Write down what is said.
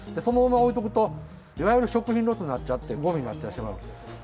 そのままおいとくといわゆる食品ロスなっちゃってごみになってしまう。